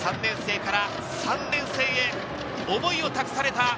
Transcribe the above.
３年生から３年生へ、思いを託された。